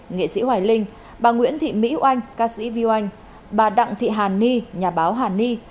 nghệ sĩ hoài linh bà nguyễn thị mỹ oanh ca sĩ vy oanh bà đặng thị hàn ni nhà báo hàn ni